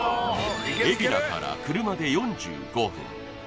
海老名から車で４５分